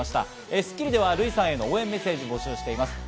『スッキリ』ではＲＵＩさんへの応援メッセージを募集しています。